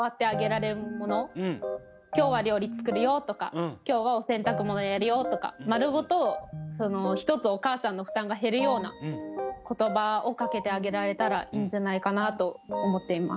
「今日は料理作るよ」とか「今日はお洗濯物やるよ」とか丸ごと一つお母さんの負担が減るような言葉をかけてあげられたらいいんじゃないかなと思っています。